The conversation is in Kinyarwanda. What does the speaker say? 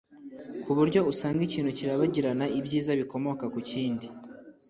kuburyo usanga ikintu kirabagirana ibyiza bikomoka ku kindi